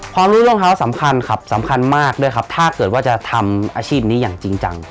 พอรู้รองเท้าสำคัญครับสำคัญมากด้วยครับถ้าเกิดว่าจะทำอาชีพนี้อย่างจริงจัง